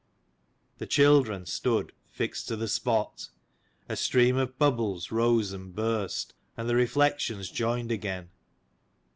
The children stood fixed to the spot. A stream 142 of bubbles rose, and burst ; and the reflections joined again.